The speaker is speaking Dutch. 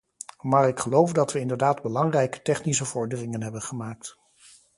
Maar ik geloof dat we inderdaad belangrijke technische vorderingen hebben gemaakt.